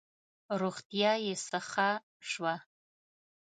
روغتیا یې څه ښه شوه.